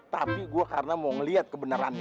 tapi gua karena mau liat kebenarannya